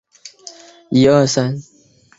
莱瑟萨尔德。